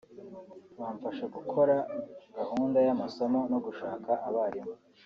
bamfasha gukora gahunda y’amasomo no gushaka abarimu